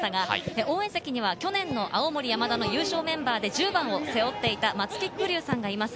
応援席には去年の青森山田の優勝メンバーで１０番を背負っていた松木玖生さんがいます。